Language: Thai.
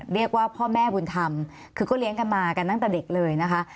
เรียกว่าพ่อแม่บุญธรรมคือก็เลี้ยงกันมากันตั้งแต่เด็กเลยนะคะ